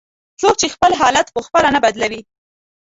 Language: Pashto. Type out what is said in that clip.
"څوک چې خپل حالت په خپله نه بدلوي".